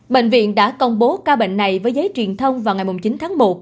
bệnh viện đã công bố ca bệnh này với giấy truyền thông vào ngày chín tháng một